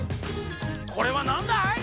これはなんだい？